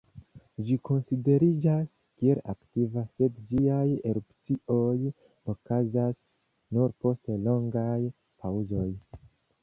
Ĝi konsideriĝas kiel aktiva, sed ĝiaj erupcioj okazas nur post longaj paŭzoj.